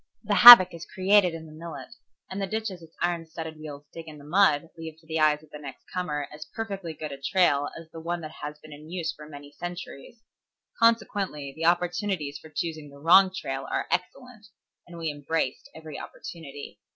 The havoc is created in the millet and the ditches its iron studded wheels dig in the mud leave to the eyes of the next comer as perfectly good a trail as the one that has been in use for many centuries. Consequently the opportunities for choosing the wrong trail are excellent, and we embraced every opportunity.